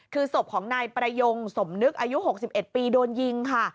คือศพของนายประยงสมนึกอายุ๖๑ปีโดนยิงค่ะ